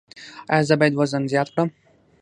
ایا زه باید وزن زیات کړم؟